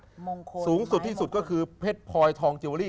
มงคลไหมมงคลสูงสุดที่สุดก็คือเพชรพลอยทองเจวรี่